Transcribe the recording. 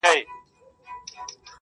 ماجبیني د مهدي حسن آهنګ یم.